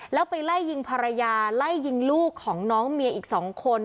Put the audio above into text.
แล้วไปไล่ยิงภรรยาไล่ยิงลูกของน้องเมียอีก๒คน